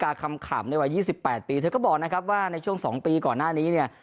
คำขำในวัย๒๘ปีเธอก็บอกนะครับว่าในช่วง๒ปีก่อนหน้านี้เนี่ย